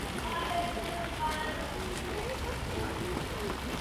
Stanice má východy na "Avenue du Général Leclerc".